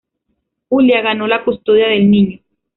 Julia ganó la custodia del niño.